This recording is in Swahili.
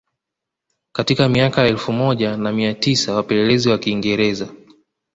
Katika miaka ya elfu moja na mia tisa wapelelezi wa Kiingereza